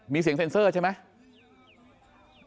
มีเสียงเซ็นเซอร์ใช่ไหม